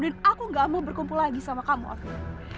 dan aku nggak mau berkumpul lagi sama kamu afiq